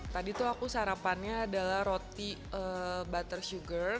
tadi tuh aku sarapannya adalah roti butter sugar